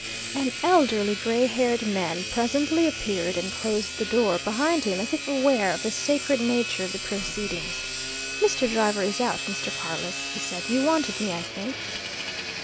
An elderly, grey haired man presently appeared and closed the door behind him as if aware of the sacred nature of the proceedings. "Mr. Driver is out, Mr. Carless," he said. "You wanted me, I think?"